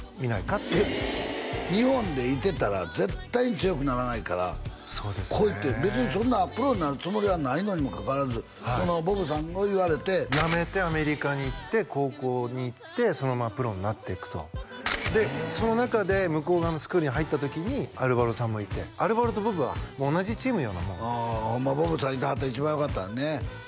って日本でいてたら絶対に強くならないから来いって別にそんなプロになるつもりはないのにもかかわらずそのボブさんに言われてやめてアメリカに行って高校に行ってそのままプロになっていくとでその中で向こう側のスクールに入った時にアルバロさんもいてアルバロとボブは同じチームのようなもんでホンマはボブさんいてはったら一番よかったのにね